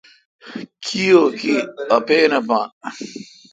کی او کی۔ اپین اپان